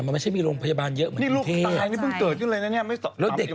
มันไม่ใช่มีโรงพยาบาลเยอะเหมือนที่เทศนี่ลูกตายนี่เพิ่งเกิดขึ้นเลยนะเนี่ยไม่สามสิบวันนี้